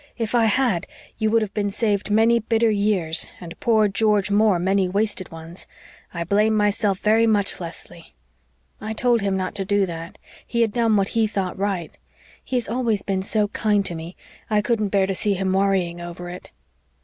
If I had, you would have been saved many bitter years, and poor George Moore many wasted ones. I blame myself very much, Leslie.' I told him not to do that he had done what he thought right. He has always been so kind to me I couldn't bear to see him worrying over it."